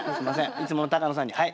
いつもの高野さんに。